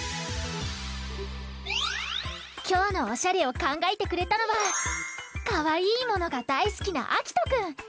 きょうのおしゃれをかんがえてくれたのはかわいいものがだいすきなあきとくん。